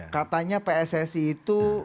katanya pssi itu